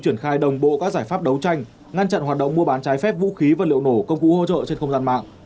triển khai đồng bộ các giải pháp đấu tranh ngăn chặn hoạt động mua bán trái phép vũ khí và liệu nổ công cụ hỗ trợ trên không gian mạng